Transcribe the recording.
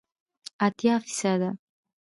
اتیا فیصده